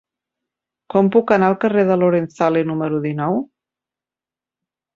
Com puc anar al carrer de Lorenzale número dinou?